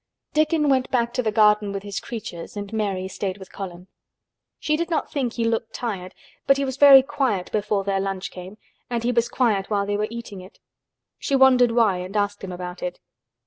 Dickon went back to the garden with his creatures and Mary stayed with Colin. She did not think he looked tired but he was very quiet before their lunch came and he was quiet while they were eating it. She wondered why and asked him about it.